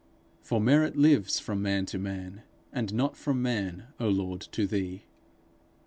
For merit lives from man to man, And not from man, O Lord, to thee.